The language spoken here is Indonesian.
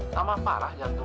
namanya apa lah yang tuh